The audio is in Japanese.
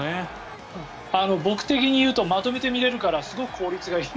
僕的に言うとまとめて見れるからすごく効率がいい。